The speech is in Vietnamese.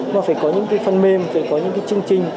mà phải có những phần mềm phải có những chương trình